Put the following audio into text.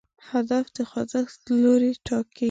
هدف د خوځښت لوری ټاکي.